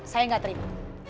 saya gak terima